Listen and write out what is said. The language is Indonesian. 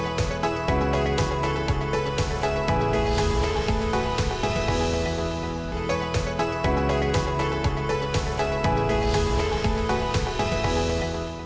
apalagi pembangunan mobil listrik